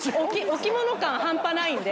置物感半端ないんで。